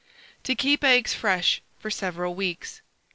TO KEEP EGGS FRESH FOR SEVERAL WEEKS.